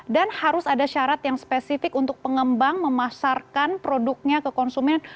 dan harus ada syarat yang spesifik untuk pengembang memasarkan produknya ke konsumen